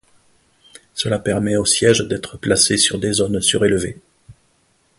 Cela permet aux sièges d'être placés sur des zones surélevées.